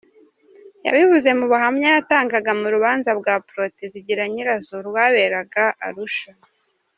Yabivugiye mu buhamya yatangaga mu rubanza rwa Portais Zigiranyirazo, rwaberaga i Arusha.